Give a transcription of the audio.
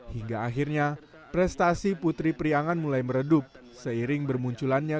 hingga akhirnya prestasi putri priangan mulai meredup seiring bermunculannya